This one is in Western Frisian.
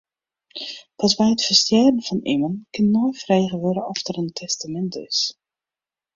Pas by it ferstjerren fan immen kin neifrege wurde oft der in testamint is.